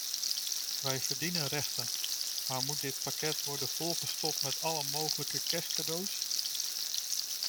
Wij verdienen rechten, maar moet dit pakket worden volgestopt met alle mogelijke kerstcadeaus?